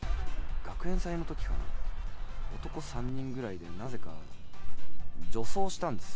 学園祭のときかな、男３人ぐらいで、なぜか女装したんですよ。